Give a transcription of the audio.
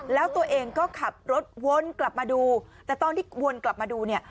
แล้วตัวเองก็ขับรถวนกลับมาดูแต่ตอนที่วนกลับมาดูเนี่ย